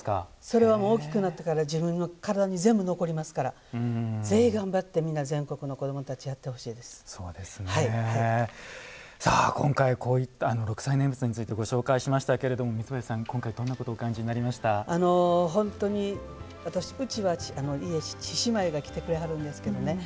それは大きくなってから自分の体に全部残りますからぜひ頑張って全国の子どもたちさあ、今回、こういった六斎念仏についてご紹介しましたけれども三林さん、今回どんなことを本当に私、うちは家に獅子舞が来てくれはるんですけどね